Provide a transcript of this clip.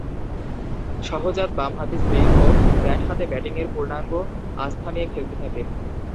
সহজাত বামহাতি সুইং ও ব্যাট হাতে ব্যাটিংয়ের পূর্ণাঙ্গ আস্থা নিয়ে খেলতে থাকেন।